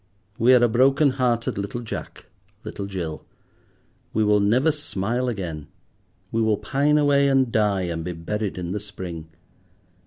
We are a broken hearted little Jack—little Jill. We will never smile again; we will pine away and die, and be buried in the spring.